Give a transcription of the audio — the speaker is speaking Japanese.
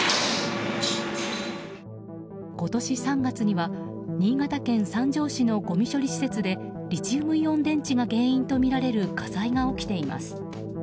今年３月には新潟県三条市のごみ処理施設でリチウムイオン電池が原因とみられる火災が起きています。